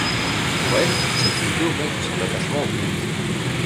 Pour elle, cette photo montre son attachement au pays.